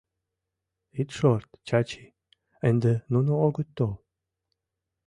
— Ит шорт, Чачи, ынде нуно огыт тол.